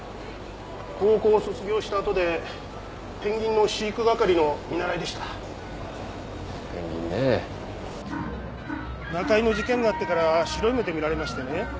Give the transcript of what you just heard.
高校卒業したあとでペンギンの飼育係の見習いでしたペンギンねぇ中井の事件があってから白い目で見られましてね